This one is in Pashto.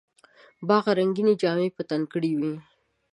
باغ رنګیني جامې په تن کړې وې.